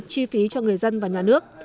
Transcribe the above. chi phí cho người dân và nhà nước